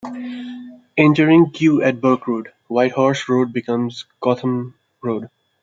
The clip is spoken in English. Entering Kew at Burke Road, Whitehorse Road becomes Cotham Road.